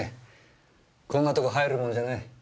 こんなとこ入るもんじゃない。